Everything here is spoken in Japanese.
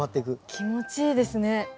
気持ちいいですね。